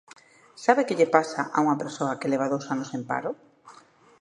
¿Sabe que lle pasa a unha persoa que leva dous anos en paro?